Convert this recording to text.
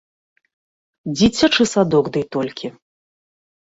Дзіцячы садок дый толькі.